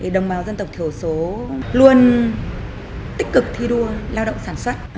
đồng bào dân tộc thiểu số luôn tích cực thi đua lao động sản xuất